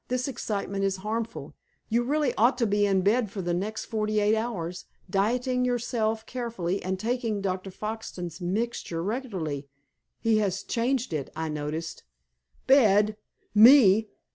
"This excitement is harmful. You really ought to be in bed for the next forty eight hours, dieting yourself carefully, and taking Dr. Foxton's mixture regularly. He has changed it, I noticed." "Bed! Me!